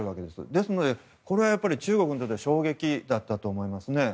ですので、中国にとっては衝撃だったと思います。